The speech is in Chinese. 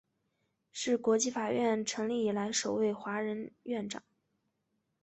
是国际法院成立以来首位华人院长。